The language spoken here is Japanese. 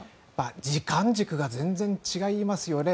時間軸が全然違いますよね。